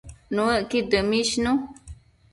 Nuëcqud dëmishnu